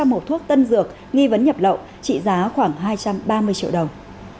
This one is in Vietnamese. bốn trăm linh hộp thuốc tân dược nghi vấn nhập lậu trị giá khoảng hai trăm ba mươi triệu đồng